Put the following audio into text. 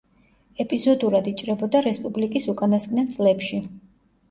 ეპიზოდურად იჭრებოდა რესპუბლიკის უკანასკნელ წლებში.